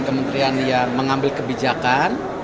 kementerian yang mengambil kebijakan